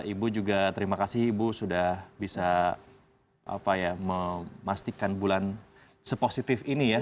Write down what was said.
ibu juga terima kasih ibu sudah bisa memastikan bulan se positif ini ya